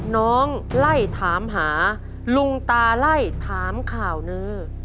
น้องไล่ถามหาลุงตาไล่ถามข่าวเนอ